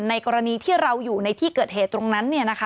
กรณีที่เราอยู่ในที่เกิดเหตุตรงนั้น